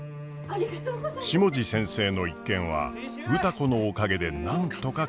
下地先生の一件は歌子のおかげでなんとか解決。